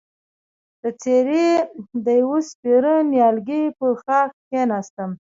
د څېړۍ د يوه سپېره نيالګي پر ښاخ کېناستم،